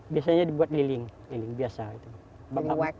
biasanya dibuat liling liling biasa